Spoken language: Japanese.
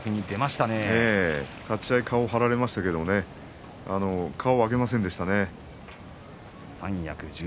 しっかりと顔を張られましたが顔を上げませんでしたね。